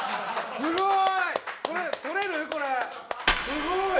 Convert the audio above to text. すごーい